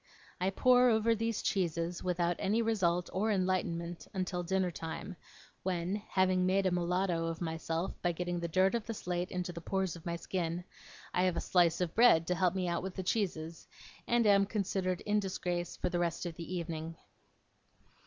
I pore over these cheeses without any result or enlightenment until dinner time, when, having made a Mulatto of myself by getting the dirt of the slate into the pores of my skin, I have a slice of bread to help me out with the cheeses, and am considered in disgrace for the rest of the evening.